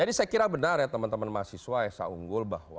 jadi saya kira benar ya teman teman mahasiswa sa unggul bahwa